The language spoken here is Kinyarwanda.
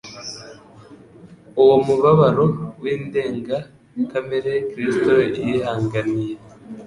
Uwo mubabaro w'indenga kamere Kristo yihanganiye